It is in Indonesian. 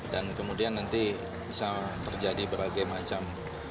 dan kemudian nanti bisa terjadi berbagai macam